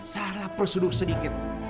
salah prosedur sedikit